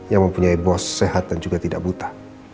yang mempunyai bos sehat dan juga tidak buta